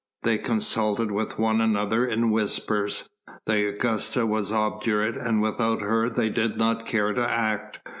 They consulted with one another in whispers. The Augusta was obdurate and without her they did not care to act.